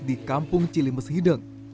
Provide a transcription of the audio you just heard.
di kampung cilimus hideng